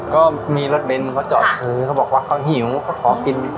ก็มีรถเบนก็จอดซื้อเค้าบอกว่าเขาหิวเค้าขอกิน